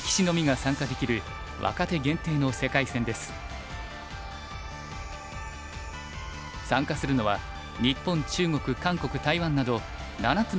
参加するのは日本中国韓国台湾など７つの国と地域の代表１６人。